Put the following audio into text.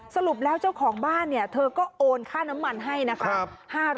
สรุปแล้วเจ้าของบ้านเนี่ยเธอก็โอนค่าน้ำมันให้นะคะ